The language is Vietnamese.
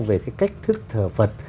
về cái cách thức thờ phật